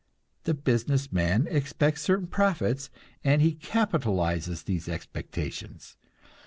The business man expects certain profits, and he capitalizes these expectations.